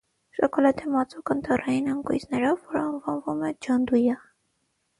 Շոկոլադե մածուկ անտառային ընկույզներով, որը անվանվում է ջանդույա։